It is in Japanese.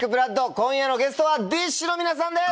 今夜のゲストはＤＩＳＨ／／の皆さんです！